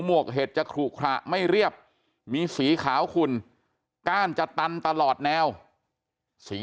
วกเห็ดจะขลุขระไม่เรียบมีสีขาวขุ่นก้านจะตันตลอดแนวสี